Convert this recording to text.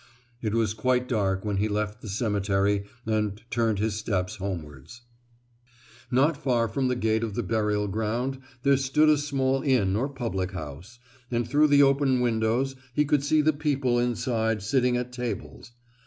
It was quite dark when he left the cemetery and turned his steps homewards. Not far from the gate of the burial ground there stood a small inn or public house, and through the open windows he could see the people inside sitting at tables.